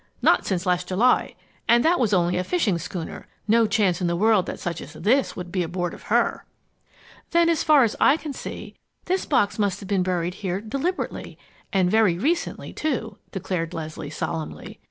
"Not since last July and that was only a fishing schooner. No chance in the world that such as this would be aboard of her!" "Then, as far as I can see, this box must have been buried here deliberately and very recently, too!" declared Leslie, solemnly.